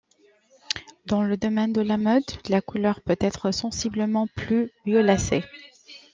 Dans le domaine de la mode, la couleur peut être sensiblement plus violacée.